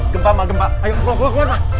gempa mah gempa ayo keluar keluar keluar